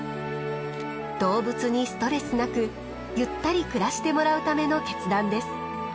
動物にストレスなくゆったり暮らしてもらうための決断です。